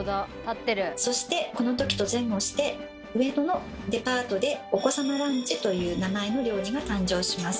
そしてこのときと前後して上野のデパートで「お子様ランチ」という名前の料理が誕生します。